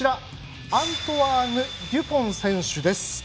アントワーヌ・デュポン選手です。